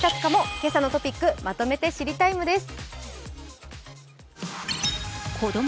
「けさのトピックまとめて知りＴＩＭＥ，」です。